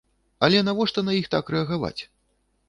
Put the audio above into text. Але навошта на іх так рэагаваць?